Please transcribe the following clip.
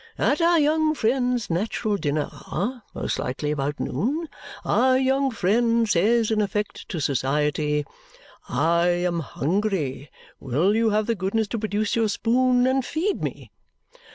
At our young friend's natural dinner hour, most likely about noon, our young friend says in effect to society, 'I am hungry; will you have the goodness to produce your spoon and feed me?'